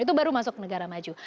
itu baru masuk negara maju